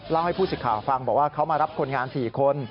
ให้ผู้สิทธิ์ข่าวฟังบอกว่าเขามารับคนงาน๔คน